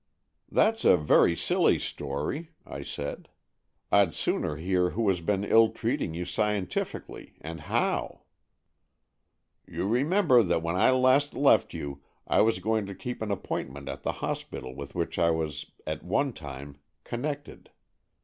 " That's a very silly story," I said. " I'd sooner hear who has been ill treating you scientifically, and how." ''You remember that when I last left you I was going to keep an appointment at the hospital with which I was at one time con nected.